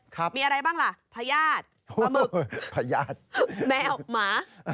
ครับมีอะไรบ้างล่ะพญาติปลาหมึกพญาติแมวหมา